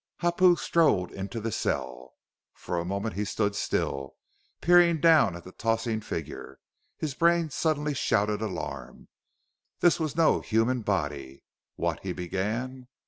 Hapu strode into the cell. For a moment he stood still, peering down at the tossing figure. His brain suddenly shouted alarm. This was no human body! "What " he began.